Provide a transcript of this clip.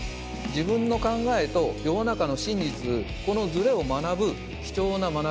自分の考えと世の中の真実このずれを学ぶ貴重な学び。